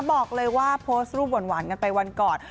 บอกเลยว่าโพสต์รูปหวานกันไปวันก่อน